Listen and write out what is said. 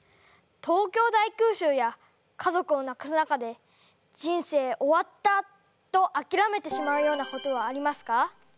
東京大空襲や家族を亡くす中で人生終わったとあきらめてしまうようなことはありますか？